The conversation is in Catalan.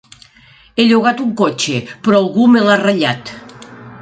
He llogat un cotxe però algú me l'ha ratllat.